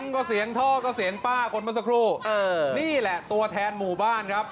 ก็เสียงท่อก็เสียงป้าคนเมื่อสักครู่นี่แหละตัวแทนหมู่บ้านครับ